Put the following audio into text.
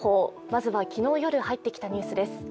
まずは昨日夜入ってきたニュースです。